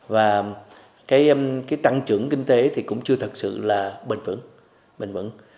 và tăng trưởng kinh tế cũng chưa thật sự bền vững